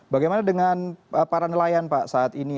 bagaimana dengan para nelayan pak saat ini